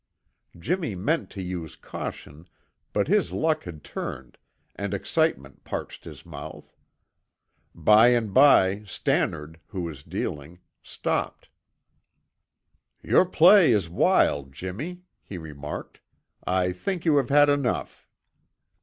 Jimmy meant to use caution, but his luck had turned, and excitement parched his mouth. By and by Stannard, who was dealing, stopped. "Your play is wild, Jimmy," he remarked. "I think you have had enough."